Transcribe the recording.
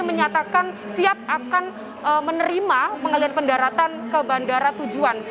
menyatakan siap akan menerima pengalian pendaratan ke bandara tujuan